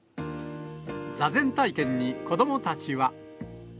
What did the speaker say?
座禅体験に子どもたちは。